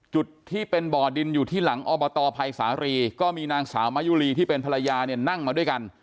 จุดที่เป็นบ่อดินอยู่ที่หลังอบตภัยสารีก็มีนางสาวมายุรีที่เป็นภรรยาเนี่ยนั่งมาด้วยกัน